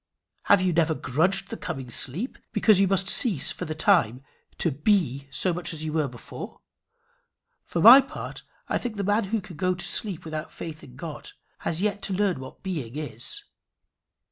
Have you never grudged the coming sleep, because you must cease for the time to be so much as you were before? For my part, I think the man who can go to sleep without faith in God has yet to learn what being is.